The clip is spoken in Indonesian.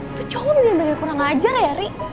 itu comelnya udah dikurang ajar ya ri